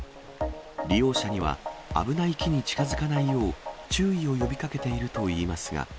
利用者には、危ない木に近づかないよう注意を呼びかけているといいますが。